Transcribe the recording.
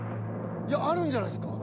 いやあるんじゃないですか。